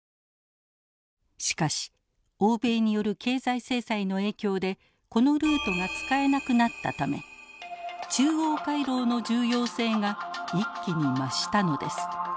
しかし欧米による経済制裁の影響でこのルートが使えなくなったため中央回廊の重要性が一気に増したのです。